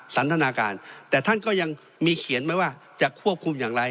สันทนาการแต่ท่านก็ยังมีเขียนไว้ว่าจะควบคุมอย่างไร